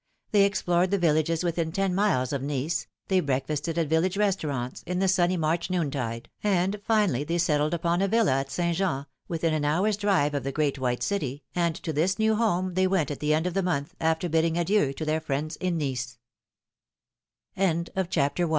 They explored the villages within ten miles of Nice, they breakfasted at village restaurants, in the sunny March noontide, and finally they settled upon a villa at St. Jean, within an hour's drive of the great white city, and to this new home they went at the end of the month, after bidding adieu t